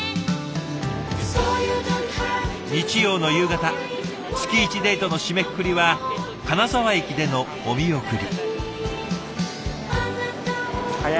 日曜の夕方月１デートの締めくくりは金沢駅でのお見送り。